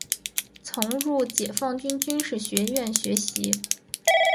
曾入解放军军事学院学习。